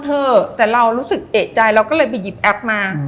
เธอแต่เรารู้สึกเอกใจเราก็เลยไปหยิบแอปมา